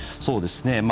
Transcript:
そうですね